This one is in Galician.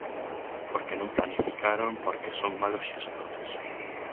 Porque non planificaron, porque son malos xestores.